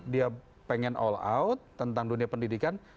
dia pengen all out tentang dunia pendidikan